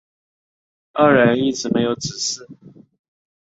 二人一直没有子嗣。